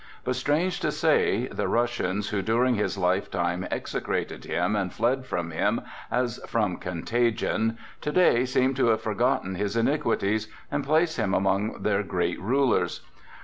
But strange to say, the Russians, who during his lifetime execrated him and fled from him as from contagion, to day seem to have forgotten his iniquities, and place him among their great rulers.